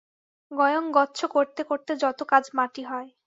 গয়ং গচ্ছ করতে করতে যত কাজ মাটি হয়।